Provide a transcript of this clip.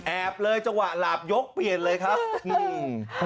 เลยจังหวะหลาบยกเปลี่ยนเลยครับอืม